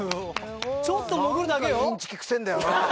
ちょっと潜るだけよ。